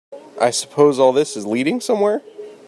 I suppose all this is leading somewhere?